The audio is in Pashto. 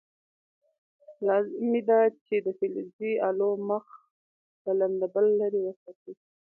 لازمه ده چې د فلزي الو مخ له لنده بل لرې وساتئ.